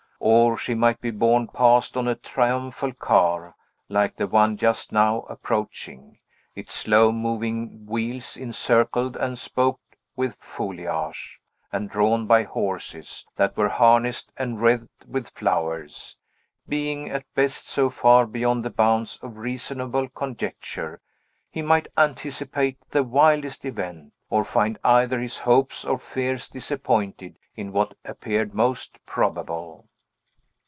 Or, she might be borne past on a triumphal car, like the one just now approaching, its slow moving wheels encircled and spoked with foliage, and drawn by horses, that were harnessed and wreathed with flowers. Being, at best, so far beyond the bounds of reasonable conjecture, he might anticipate the wildest event, or find either his hopes or fears disappointed in what appeared most probable.